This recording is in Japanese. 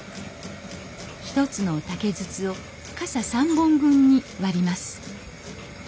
一つの竹筒を傘３本分に割ります